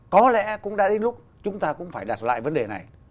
có lẽ cũng đã đến lúc chúng ta cũng phải đặt lại vấn đề này